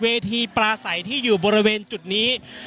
อย่างที่บอกไปว่าเรายังยึดในเรื่องของข้อ